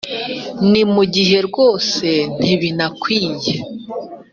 ni mu gihe rwose ntibinakwiye